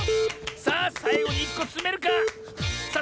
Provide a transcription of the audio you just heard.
さあさいごに１こつめるか⁉さあ